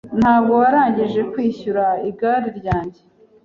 Ntabwo warangije kwishyura igare ryanjye?